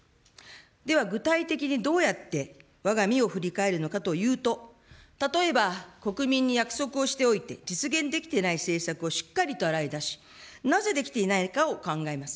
では、具体的にどうやって、わが身を振り返るのかというと、例えば、国民に約束をしておいて実現できていない政策をしっかりと洗い出し、なぜできていないかを考えます。